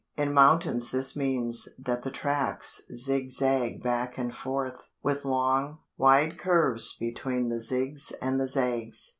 In mountains this means that the tracks zig zag back and forth, with long, wide curves between the zigs and the zags.